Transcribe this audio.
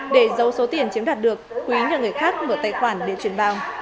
để giấu số tiền chiếm đoạt được quý nhờ người khác mở tài khoản để chuyển vào